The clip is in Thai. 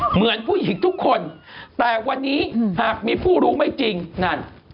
เหมือนผู้หญิงทุกคนแต่วันนี้หากมีผู้รู้ไม่จริงนั่น